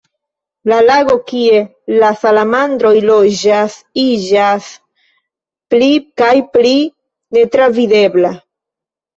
La lago kie la salamandroj loĝas iĝas pli kaj pli netravidebla.